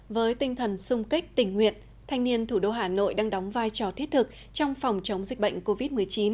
với tinh thần sung kích tình nguyện thanh niên thủ đô hà nội đang đóng vai trò thiết thực trong phòng chống dịch bệnh covid một mươi chín